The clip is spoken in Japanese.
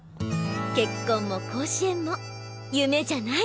結婚も甲子園も夢じゃない！